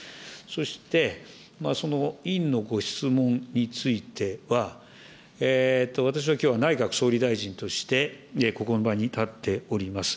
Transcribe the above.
そして、その委員のご質問については、私はきょうは内閣総理大臣としてここの場に立っております。